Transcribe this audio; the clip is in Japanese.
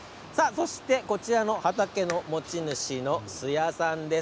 そして、こちらの畑の持ち主の数矢さんです。